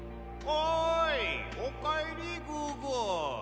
おかえりグーグー！